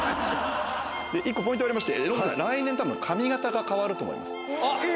１個ポイントありまして、ノブさん、来年、たぶん髪形が変わると思います。